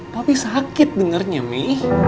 papi sakit dengernya mi